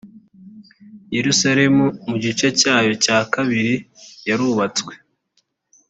yerusalemu mu gice cyaho cya kabiri yarubatswe